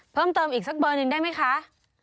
เพิ่มเติมอีกสักเบอร์หนึ่งได้ไหมคะ